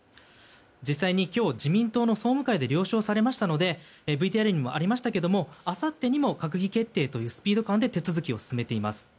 実際に今日、自民党の総務会で了承されましたのでＶＴＲにもありましたけどあさってにも閣議決定というスピード感で手続きを進めています。